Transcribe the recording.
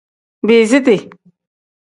Biiziti.